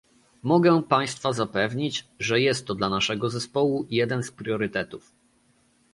Mogę państwa zapewnić, że jest to dla naszego zespołu jeden z priorytetów